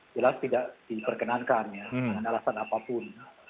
jelas tidak diperkenankan ya dengan alasan apapun